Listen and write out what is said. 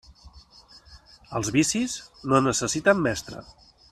Els vicis no necessiten mestre.